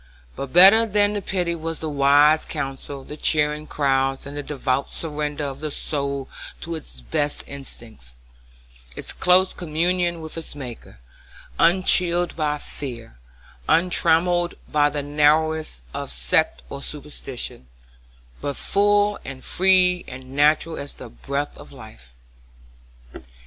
But better than the pity was the wise counsel, the cheering words, and the devout surrender of the soul to its best instincts; its close communion with its Maker, unchilled by fear, untrammelled by the narrowness of sect or superstition, but full and free and natural as the breath of life.